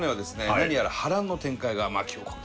何やら波乱の展開が巻き起こる！